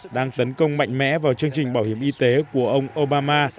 đang tấn công mạnh mẽ vào chương trình bảo hiểm y tế của ông obama